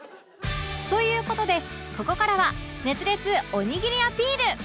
という事でここからは熱烈おにぎりアピール！